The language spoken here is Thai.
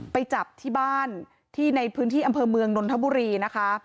ไปจับที่บ้านที่ในพื้นที่อำเภอเมืองนนทบุรีนะคะ